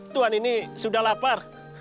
tuhan sudah lapar